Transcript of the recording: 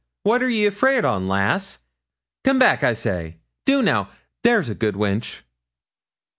What are ye afeard on, lass? Come back, I say do now; there's a good wench.'